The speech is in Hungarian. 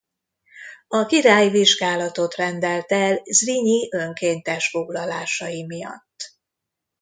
A király vizsgálatot rendelt el Zrínyi önkéntes foglalásai miatt.